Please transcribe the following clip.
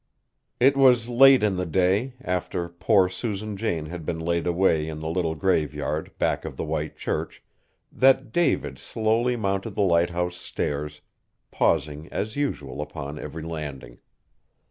It was late in the day, after poor Susan Jane had been laid away in the little graveyard back of the white church, that David slowly mounted the lighthouse stairs, pausing as usual upon every landing.